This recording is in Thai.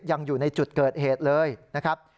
ยังอยู่ในจุดเกิดเหตุเลยนะครับ